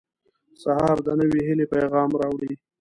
• سهار د نوې هیلې پیغام راوړي.